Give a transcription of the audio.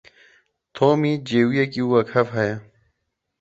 Tomî cêwiyekî wekhev heye.